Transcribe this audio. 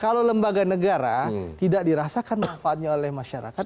kalau lembaga negara tidak dirasakan manfaatnya oleh masyarakat